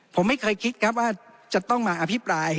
ผมไม่เคยคิดครับว่าจะต้องมาอภิปราย